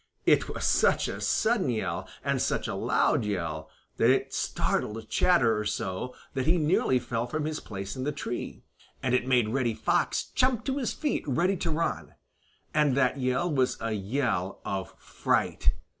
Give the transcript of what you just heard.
It was such a sudden yell and such a loud yell that it startled Chatterer so that he nearly fell from his place in the tree, and it made Reddy Fox jump to his feet ready to run. And that yell was a yell of fright.